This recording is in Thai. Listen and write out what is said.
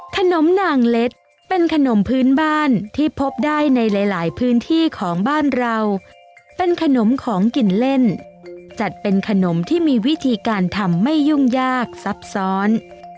ขนมนางเล็ดเป็นขนมพื้นบ้านที่พบได้ในหลายพื้นที่ของบ้านเราเป็นขนมของกินเล่นจัดเป็นขนมที่มีวิธีการทำไม่ยุ่งยากซับซ้อน